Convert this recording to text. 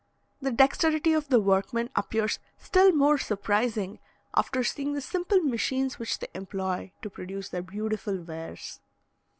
The dexterity of the workmen appears still more surprising after seeing the simple machines which they employ to produce their beautiful wares.